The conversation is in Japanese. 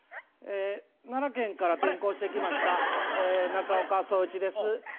奈良県から転校してきました中岡創一です。